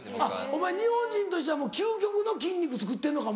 お前日本人としてはもう究極の筋肉つくってるのか。